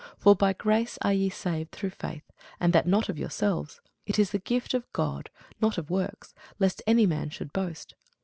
For by grace are ye saved through faith; and that not of yourselves: it is the gift of God: not of works, lest any man should boast.